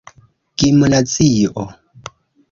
gimnazio